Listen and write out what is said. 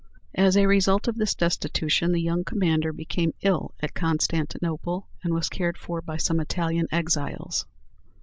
As a result of this destitution, the young commander became ill at Constantinople, and was cared for by some Italian exiles.